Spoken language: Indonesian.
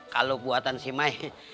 kalau buatan si mai